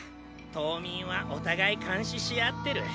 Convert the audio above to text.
島民はお互い監視し合ってる。